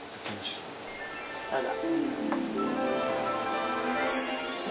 どうぞ。